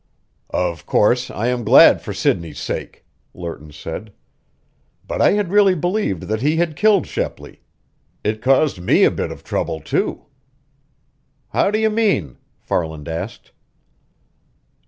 "Of course, I am glad for Sidney's sake," Lerton said. "But I had really believed that he had killed Shepley. It caused me a bit of trouble, too." "How do you mean?" Farland asked.